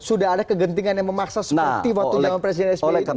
sudah ada kegentingan yang memaksa seperti waktu itu dengan presiden sbi itu bukan prof